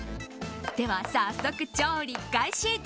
では早速、調理開始！